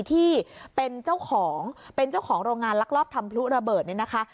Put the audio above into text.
ที่เป็นเจ้าของเป็นเจ้าของโรงงานลักลอบทำพลุระเบิดเนี่ยนะคะ